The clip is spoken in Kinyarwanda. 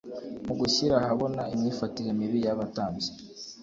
Mu gushyira ahabona imyifatire mibi y'abatambyi,